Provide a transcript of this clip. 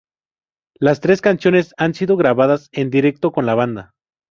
Las tres canciones han sido grabadas en directo con la banda.